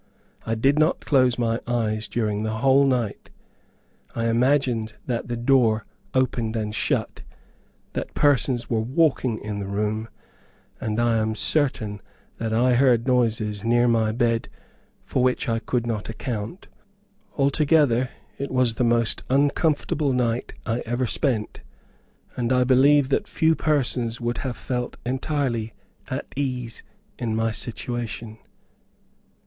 I did not close my eyes during the whole night. I imagined that the door opened and shut, that persons were walking in the room, and I am certain that I heard noises near my bed for which I could not account. Altogether, it was the most uncomfortable night I ever spent, and I believe that few persons would have felt entirely at ease in my situation.